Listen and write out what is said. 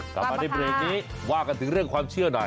กลับมาในเบรกนี้ว่ากันถึงเรื่องความเชื่อหน่อย